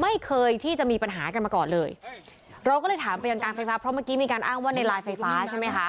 ไม่เคยที่จะมีปัญหากันมาก่อนเลยเราก็เลยถามไปยังการไฟฟ้าเพราะเมื่อกี้มีการอ้างว่าในลายไฟฟ้าใช่ไหมคะ